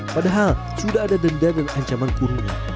padahal sudah ada dendam dan ancaman kurungnya